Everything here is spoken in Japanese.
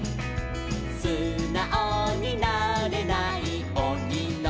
「すなおになれないオニのこだ」